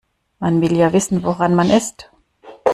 Man will ja wissen woran man ist.